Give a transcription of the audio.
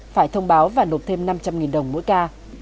phải thông báo và nộp thêm năm trăm linh đồng mỗi ca